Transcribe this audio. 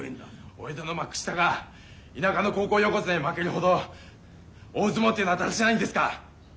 お江戸の幕下が田舎の高校横綱に負けるほど大相撲っていうのはだらしないんですか。